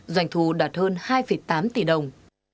doanh thu đạt hơn hai tám tỷ đồng